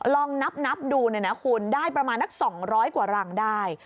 ลองนับดูเนี่ยนะคุณได้ประมาณนัก๒๐๐กว่ารังได้